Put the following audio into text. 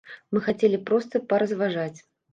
Мы хацелі проста паразважаць.